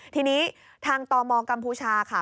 ทีนี้ทางตมกัมพูชาค่ะ